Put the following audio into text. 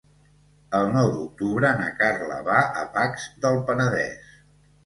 El nou d'octubre na Carla va a Pacs del Penedès.